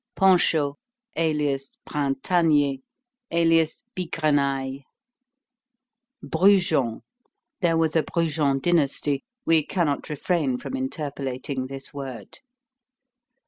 Panchaud, alias Printanier, alias Bigrenaille. Brujon. [There was a Brujon dynasty; we cannot refrain from interpolating this word.